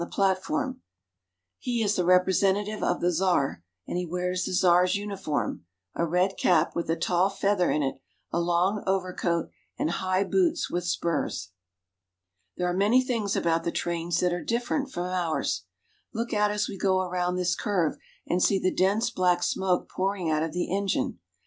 the platform. He is the representative of the Czar, and he wears the Czar's uniform : a red cap with a tall feather in it, a long overcoat, and high boots with spurs. There are many things about the trains that are dif ferent from ours. Look out as we go around this curve, and see the dense black smoke pouring out of the engine.